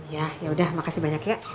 ya ya udah makasih banyak ya